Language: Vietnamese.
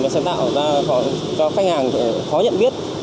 sẽ tạo ra cho khách hàng khó nhận biết